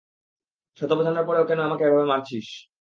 শত বোঝানোর পরও কেন আমাকে এভাবে মারছিস?